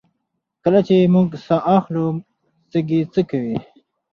کله چې موږ ساه اخلو سږي څه کوي